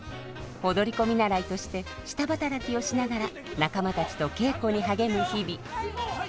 踊り子見習いとして下働きをしながら仲間たちと稽古に励む日々。